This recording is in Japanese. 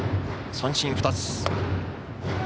三振２つ。